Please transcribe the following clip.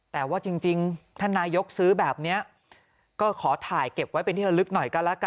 แต่ว่าจริงท่านนายกซื้อแบบนี้ก็ขอถ่ายเก็บไว้เป็นที่ระลึกหน่อยก็แล้วกัน